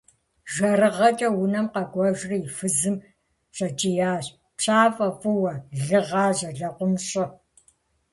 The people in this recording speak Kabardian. ЖэрыгъэкӀэ унэм къэкӀуэжри и фызым щӀэкӀиящ: - ПщафӀэ фӀыуэ! Лы гъажьэ! Лэкъум щӀы!